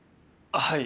はい。